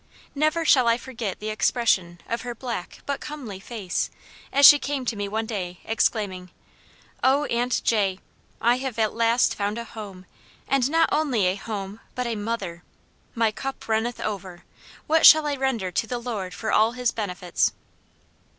Never shall I forget the expression of her "black, but comely" face, as she came to me one day, exclaiming, "O, aunt J , I have at last found a HOME, and not only a home, but a MOTHER. My cup runneth over. What shall I render to the Lord for all his benefits?"